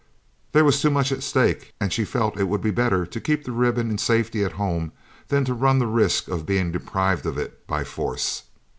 There was too much at stake, and she felt it would be better to keep the ribbon in safety at home than to run the risk of being deprived of it by force.